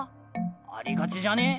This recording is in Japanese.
ありがちじゃね？